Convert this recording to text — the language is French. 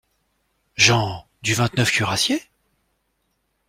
Jean. — Du vingt-neufe Cuirassiers ?